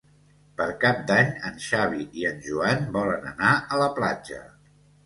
Per Cap d'Any en Xavi i en Joan volen anar a la platja.